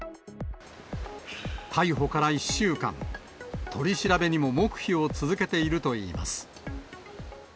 逮捕から１週間、取り調べにも黙秘を続けているといいます。